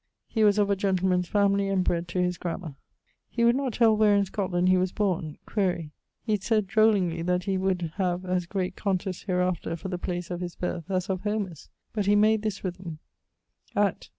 He was of a gentleman's family, and bred to his grammar. would not tell where in Scotland he was borne: quaere. He sayd drollingly that he would have as great contests hereafter for the place of his birth as of Homer's: but he made this rythme: At